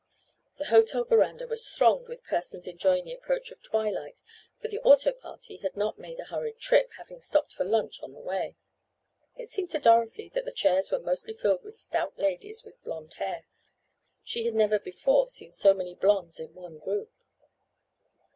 The hotel veranda was thronged with persons enjoying the approach of twilight, for the auto party had not made a hurried trip, having stopped for lunch on the way. It seemed to Dorothy that the chairs were mostly filled with stout ladies with blond hair. She had never before seen so many blonds in one group.